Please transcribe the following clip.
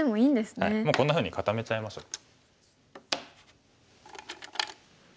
こんなふうに固めちゃいましょう。